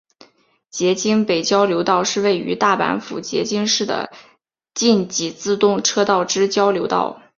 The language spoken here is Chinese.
摄津北交流道是位于大阪府摄津市的近畿自动车道之交流道。